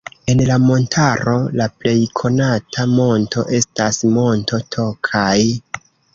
En la montaro la plej konata monto estas Monto Tokaj.